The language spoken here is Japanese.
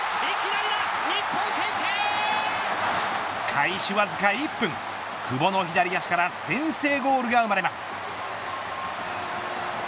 開始わずか１分久保の左足から先制ゴールが生まれます。